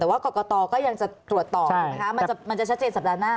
แต่ว่ากรกตก็ยังจะตรวจต่อถูกไหมคะมันจะชัดเจนสัปดาห์หน้า